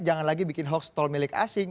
jangan lagi bikin hoax tol milik asing